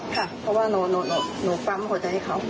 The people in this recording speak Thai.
ค่ะเพราะว่าหนูปั๊มหัวใจให้เขา